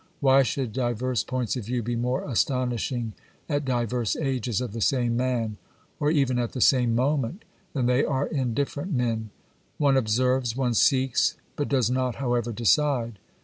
Why should diverse points of view be more astonishing at diverse ages of the same man, or even at the same moment, than they are in different men ? One observes, one seeks, but does not, however, decide.